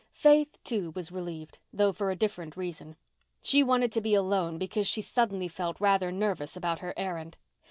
Faith, too, was relieved, though for a different reason. She wanted to be alone because she suddenly felt rather nervous about her errand.